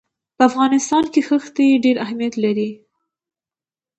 په افغانستان کې ښتې ډېر اهمیت لري.